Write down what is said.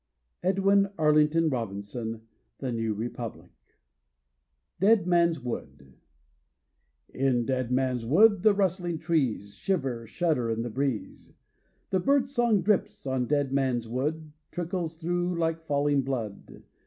Edwin Arlington Robinson — The New Republic DEAD MAN'S WOOD In Dead Man's Wood The rustling trees Shiver, shudder In the breeze. The bird song drips On Dead Man's Wood, Trickles through Like falling blood.